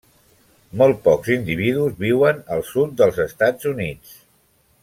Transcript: Molt pocs individus viuen al sud dels Estats Units.